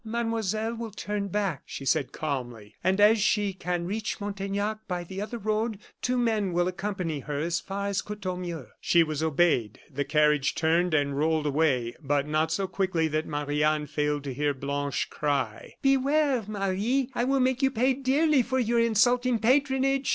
"Mademoiselle will turn back," she said, calmly; "and as she can reach Montaignac by the other road, two men will accompany her as far as Courtornieu." She was obeyed. The carriage turned and rolled away, but not so quickly that Marie Anne failed to hear Blanche cry: "Beware, Marie! I will make you pay dearly for your insulting patronage!"